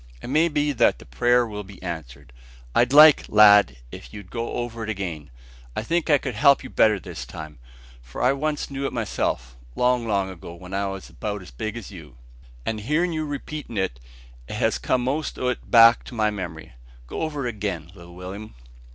It may be that the prayer will be answered. I'd like, lad, if you'd go over it again. I think I could help you better this time; for I once knew it myself, long, long ago, when I was about as big as you, and hearin' you repeatin' it, it has come most o' it back into my memory. Go over it again, little Will'm."